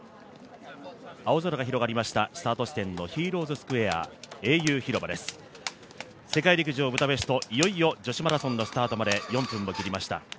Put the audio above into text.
青空が広がりました、スタート地点のヒーローズ・スクエア英雄広場です、世界陸上ブダペスト、いよいよ女子マラソンのスタートまで４分を切りました。